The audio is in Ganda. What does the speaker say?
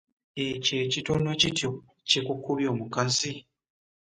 Ekyo ekitono kityo kikukubya mukazi?